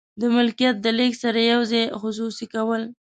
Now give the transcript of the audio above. د ملکیت د لیږد سره یو ځای خصوصي کول.